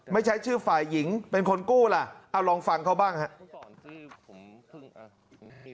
ไม่ใช่ชื่อฝ่ายหญิงเป็นคนกู้ล่ะเอาลองฟังเขาบ้างครับ